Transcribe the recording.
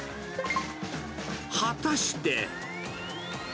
果たして。